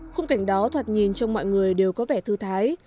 khung cảnh đó thoạt nhìn trong mọi người đều có vẻ thư thái